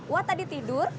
wah tadi tidur